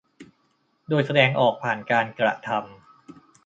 โดยแสดงออกผ่านการกระทำ